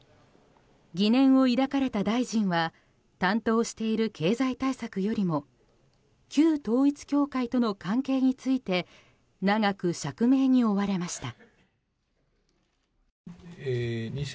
疑念を抱かれた大臣は担当している経済対策よりも旧統一教会との関係について長く釈明に追われました。